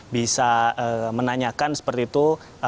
bisa menanyakan seperti itu